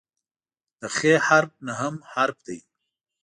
د "خ" حرف نهم حرف دی.